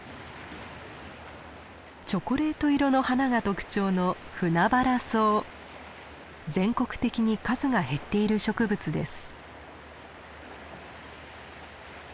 チョコレート色の花が特徴の全国的に数が減っている植物です。